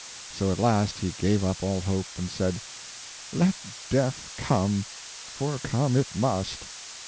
So at last he gave up all hope, and said, "Let death come, for come it must."